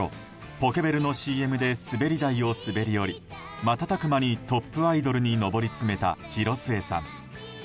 ポケベルのＣＭで滑り台を滑り降り瞬く間にトップアイドルに上り詰めた広末さん。